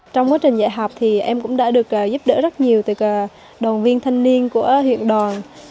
trong quá trình dạy học thì em cũng đã được giúp đỡ rất nhiều từ đoàn viên thanh niên của huyện đoàn